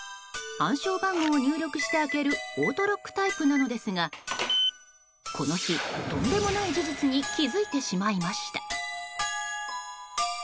暗証番号を入力して開けるオートロックタイプなのですがこの日、とんでもない事実に気づいてしまいました。